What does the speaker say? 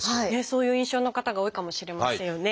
そういう印象の方が多いかもしれませんよね。